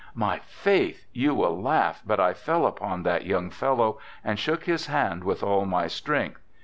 My faith! You will laugh, but I fell upon that young fellow, and shook his hand with all my strength.